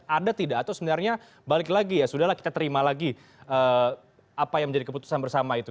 ada tidak atau sebenarnya balik lagi ya sudah lah kita terima lagi apa yang menjadi keputusan bersama itu